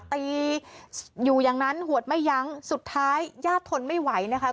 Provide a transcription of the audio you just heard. ตีอยู่อย่างนั้นหวดไม่ยั้งสุดท้ายญาติทนไม่ไหวนะคะ